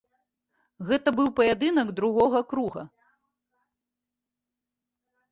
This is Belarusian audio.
Гэта быў паядынак другога круга.